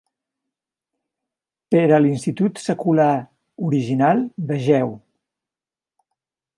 Per a l'institut secular original, vegeu: